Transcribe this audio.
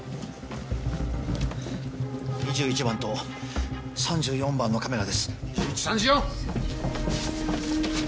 ２１番と３４番のカメラです。